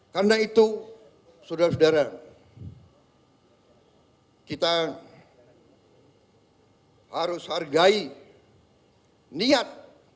karena itu saudara saudara kita harus hargai niat